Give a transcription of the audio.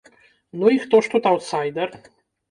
Ну, і хто ж тут аўтсайдар?